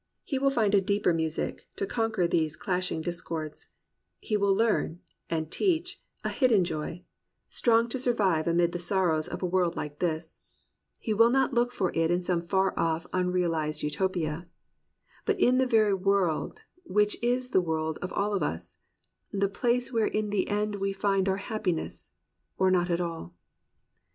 He will find a deeper music 203 COMPANIONABLE BOOKS to conquer these clasHng discords. He will learn, and teach, a hidden joy, strong to survive amid the sorrows of a world like this. He will not look for it in some far off unrealized Utopia, But in the very world which is the world Of all of us, — the place where in the end We find our happiness, or not at all